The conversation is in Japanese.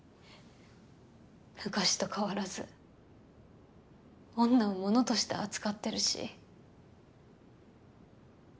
昔と変わらず女を物として扱ってるし。